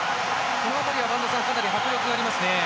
この辺りは播戸さんかなり迫力がありますね。